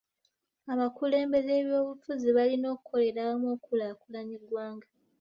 Abakulembeze b'ebyobufuzi balina okukolera awamu okukulaakulanya eggwanga.